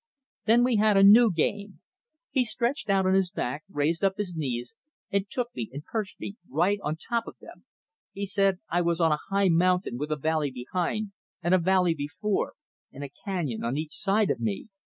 Then we had a new game. He stretched out on his back, raised up his knees, and took me and perched me right on top of them. He said I was on a high mountain with a valley behind, and a valley before, and a canyon on each side of me.